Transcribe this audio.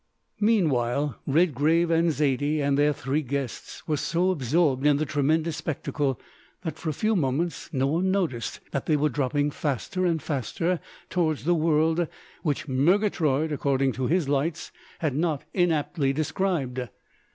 Meanwhile, Redgrave and Zaidie and their three guests were so absorbed in the tremendous spectacle, that for a few moments no one noticed that they were dropping faster and faster towards the world which Murgatroyd, according to his lights, had not inaptly described.